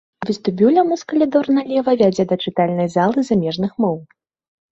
Ад вестыбюля муз калідор налева вядзе да чытальнай залы замежных моў.